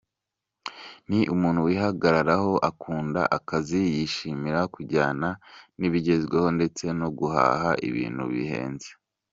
Ni umuntu wihagararaho, akunda akazi, yishimira kujyana n’ibigezweho ndetse no guhaha ibintu bihenze.